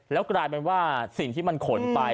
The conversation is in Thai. แล้วกลายเป็นว่าสิ่งที่มันขนไป